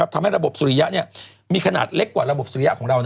ทำให้ระบบสุริยะมีขนาดเล็กกว่าระบบสุริยะของเรา